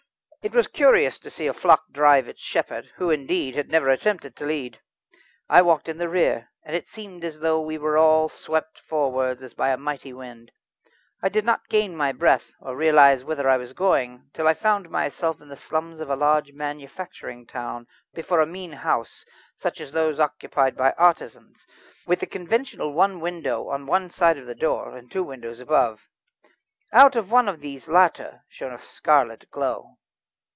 It was curious to see a flock drive its shepherd, who, indeed, had never attempted to lead. I walked in the rear, and it seemed as though we were all swept forward as by a mighty wind. I did not gain my breath, or realise whither I was going, till I found myself in the slums of a large manufacturing town before a mean house such as those occupied by artisans, with the conventional one window on one side of the door and two windows above. Out of one of these latter shone a scarlet glow.